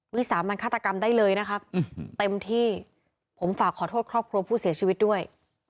วิสามันฆาตกรรมได้เลยนะครับเต็มที่ผมฝากขอโทษครอบครัวผู้เสียชีวิตด้วย